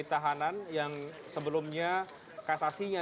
tahanan yang sebelumnya kasasinya